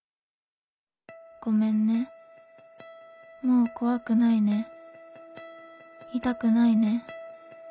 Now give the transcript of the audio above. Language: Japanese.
ごめんねもう怖くないね痛くないね。